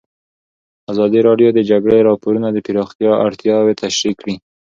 ازادي راډیو د د جګړې راپورونه د پراختیا اړتیاوې تشریح کړي.